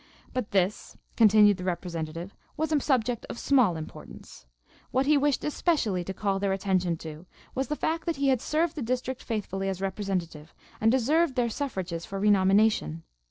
But this, continued the Representative, was a subject of small importance. What he wished especially to call their attention to was the fact that he had served the district faithfully as Representative, and deserved their suffrages for renomination.